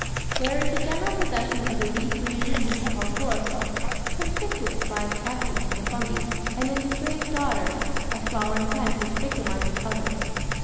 There is the general possession of the leaf green pigment called chloro phyll, conspicuous by its absence in the fungi and in the strange dodder, a flowering plant which victimises others.